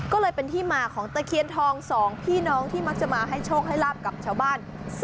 ก็เลยเป็นที่มาของตะเคียนทอง๒พี่น้องที่มักจะมาให้โชคให้ลาบกับชาวบ้าน